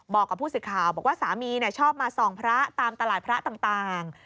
บอกกับผู้สื่อข่าวบอกว่าสามีชอบมาส่องพระตามตลาดพระต่าง